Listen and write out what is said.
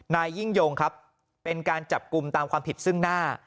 นายยิ่งยงครับเป็นการจับกลุ่มตามความผิดซึ่งหน้า